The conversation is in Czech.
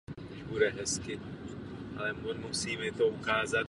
Vydavatelem je Městský úřad Zákupy.